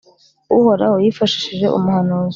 Uhoraho, yifashishije umuhanuzi,